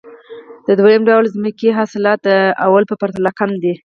د دویم ډول ځمکې حاصلات د لومړۍ په پرتله کم دي